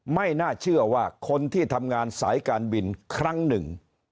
ไม่น่าเชื่อว่าคนที่ทำงานสายการบินครั้งหนึ่ง